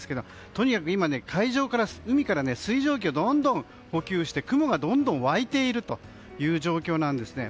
とにかく今、海から水蒸気をどんどん補給して雲がどんどん湧いている状況なんですね。